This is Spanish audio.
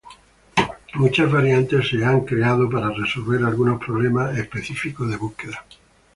Muchas variantes han sido creadas para resolver algunos problemas específicos de búsqueda.